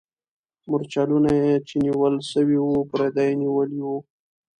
مرچلونه چې نیول سوي وو، پردیو نیولي وو.